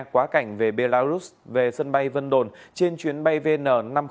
hóa cảnh về belarus về sân bay vân đồn trên chuyến bay vn năm nghìn sáu mươi hai